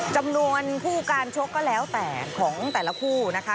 จำนวนคู่การชกก็แล้วแต่ของแต่ละคู่นะคะ